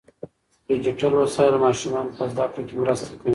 ډیجیټل وسایل ماشومان په زده کړه کې مرسته کوي.